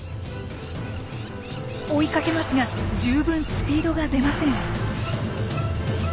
追いかけますが十分スピードが出ません。